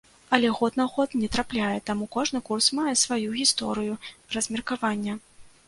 Але год на год не трапляе, таму кожны курс мае сваю гісторыю размеркавання.